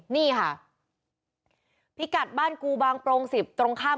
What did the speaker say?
นี่ค่ะพิกัดบ้านกูบางโปรงสิบตรงข้าม